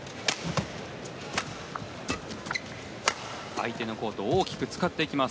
相手のコートを大きく使ってきます。